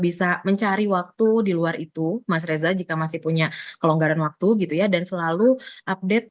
bisa mencari waktu di luar itu mas reza jika masih punya kelonggaran waktu gitu ya dan selalu update